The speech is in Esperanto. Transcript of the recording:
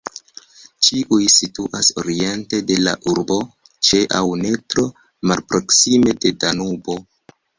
Ĉiuj situas oriente de la urbo, ĉe aŭ ne tro malproksime de Danubo.